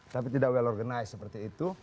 tapi tidak well organized seperti itu